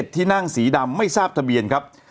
ที่นั่งสีดำไม่ทราบทะเบียนครับ